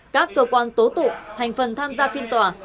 các cơ quan tố tụ thành phần tham gia phiên tòa